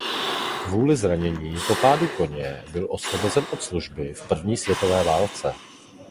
Kvůli zranění po pádu z koně byl osvobozen od služby v první světové válce.